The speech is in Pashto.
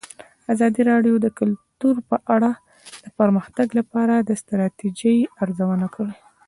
ازادي راډیو د کلتور په اړه د پرمختګ لپاره د ستراتیژۍ ارزونه کړې.